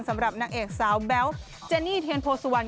สำหรับนางเอกสาวแบ๊วเจนี่เทียนโพสุวรรณ